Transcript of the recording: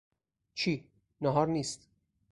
چی! ناهار نیست!